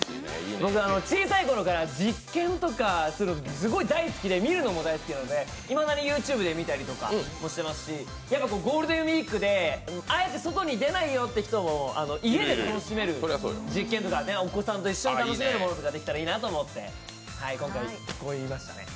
小さいころから実験とかそういうのが大好きで見るのも大好きなので、いまだにＹｏｕＴｕｂｅで見たりしますしゴールデンウイークであえて外に出ないよって人も家で楽しめる実験とか、お子さんと一緒に楽しめるものとかできたらいいなと思って今回これにしました。